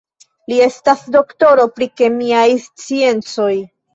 Li estas doktoro pri kemiaj sciencoj.